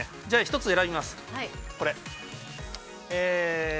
じゃあ１つ選びます。